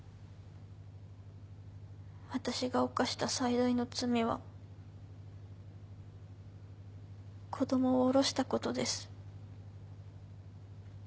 私が犯した最大の罪は子供をおろしたことです。